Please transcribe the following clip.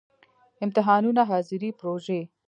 امتحانونه، ،حاضری، پروژی